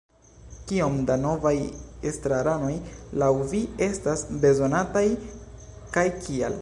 Kiom da novaj estraranoj laŭ vi estas bezonataj, kaj kial?